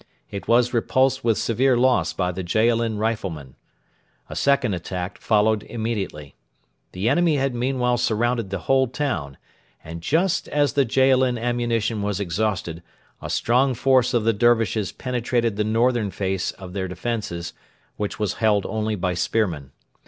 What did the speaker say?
It was repulsed with severe loss by the Jaalin riflemen. A second attack followed immediately. The enemy had meanwhile surrounded the whole town, and just as the Jaalin ammunition was exhausted a strong force of the Dervishes penetrated the northern face of their defences, which was held only by spearmen.